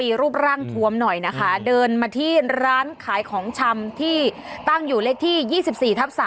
มีรูปร่างทวมหน่อยนะคะเดินมาที่ร้านขายของชำที่ตั้งอยู่เลขที่๒๔ทับ๓